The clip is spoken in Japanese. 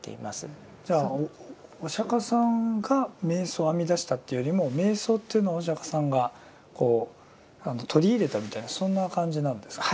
じゃあお釈さんが瞑想を編み出したというよりも瞑想というのをお釈さんがこう取り入れたみたいなそんな感じなんですか。